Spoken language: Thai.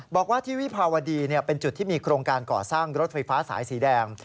บอกว่าที่วิภาวดีเป็นจุดที่มีโครงการก่อสร้างรถไฟฟ้าสายสีแดง